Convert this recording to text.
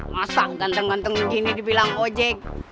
masa ganteng ganteng gini dibilang ojek